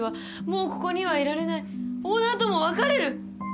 「もうここには居られない」「オーナーとも別れる！！」